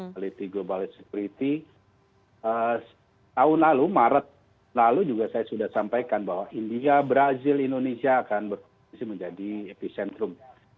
kualitas global security tahun lalu maret lalu juga saya sudah sampaikan bahwa india brazil indonesia akan berkompetisi menjadi epicentrum